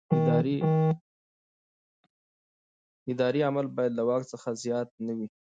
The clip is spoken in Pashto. اداري عمل باید له واک څخه زیات نه وي.